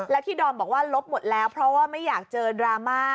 และที่ดอมบอกว่าลบหมดแล้วเพราะว่าไม่อยากเจอดราม่า